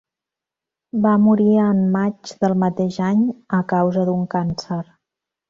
Va morir en maig del mateix any a causa d'un càncer.